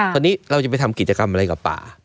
ตอนนี้เราจะไปทำกิจกรรมอะไรกับป่า